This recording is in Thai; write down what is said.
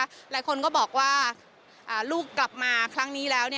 หลายคนก็บอกว่าลูกกลับมาครั้งนี้แล้ว